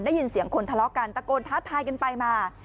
ได้ยินเสียงคนทะเลาะกันตะโกนท้าทายกันไปมา